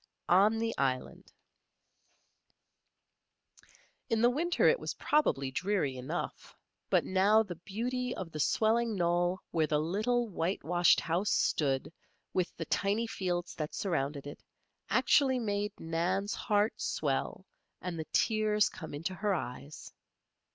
ON THE ISLAND In the winter it was probably dreary enough; but now the beauty of the swelling knoll where the little whitewashed house stood, with the tiny fields that surrounded it, actually made Nan's heart swell and the tears come into her eyes.